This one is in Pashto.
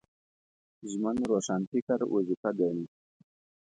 ژمن روښانفکر وظیفه ګڼي